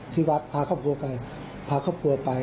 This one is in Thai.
ที่วัดพาครอบครัวไปพาครอบครัวไป